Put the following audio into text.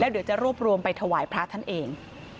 เดี๋ยวจะรวบรวมไปถวายพระท่านเอง